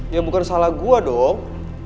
ya bukan salah gue dong